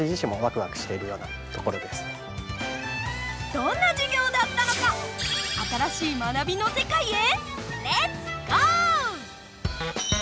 どんな授業だったのか新しい学びの世界へレッツゴー！